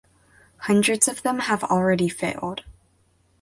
Hundreds of them have already failed.